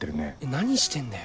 何してんだよ